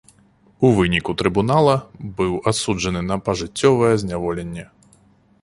У выніку трыбунала быў асуджаны на пажыццёвае зняволенне.